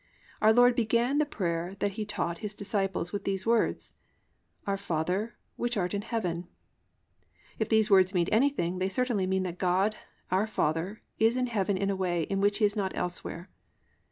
Our Lord began the prayer that He taught His disciples with these words "Our Father Which Art in Heaven." If these words mean anything, they certainly mean that God, our Father, is in heaven in a way in which He is not elsewhere.